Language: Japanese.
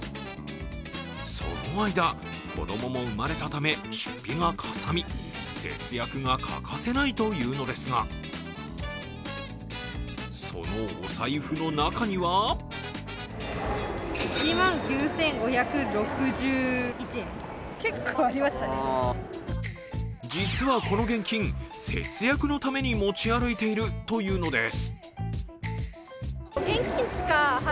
その間、子供も生まれたため出費がかさみ、節約が欠かせないというのですが、そのお財布の中には実はこの現金、節約のために持ち歩いているというのです。